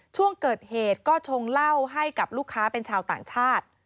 ช่วงเกิดเหตุก็ชงเหล้าให้กับลูกค้าเป็นชาวต่างชาติ